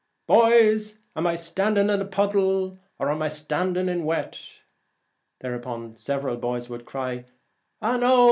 Boys, am I standin' in puddle ? am I standin' in wet ?' Thereon several boys would cry, ' Ah, no